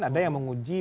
ada yang mengunggahnya